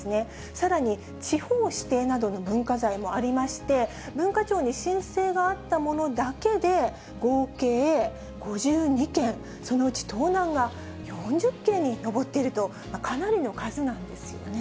さらに、地方指定などの文化財もありまして、文化庁に申請があったものだけで、合計５２件、そのうち盗難が４０件に上っていると、かなりの数なんですよね。